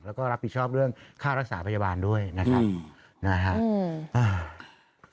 แล้วก็รับผิดชอบเรื่องค่ารักษาพยาบาลด้วยนะครับนะฮะ